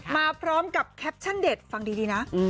มาพร้อมกับแคปชั่นเด็ดฟังดีนะ